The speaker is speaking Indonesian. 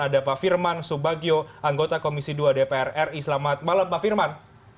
ada pak firman subagio anggota komisi dua dpr ri selamat malam pak firman